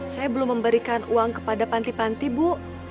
saya belum memberikan uang kepada panti panti bu